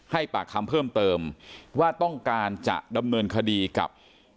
ปากคำเพิ่มเติมว่าต้องการจะดำเนินคดีกับ